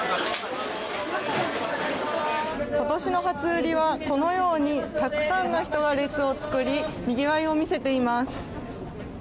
今年の初売りはこのようにたくさんの人が列を作りにぎわいを見せています。